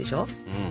うん。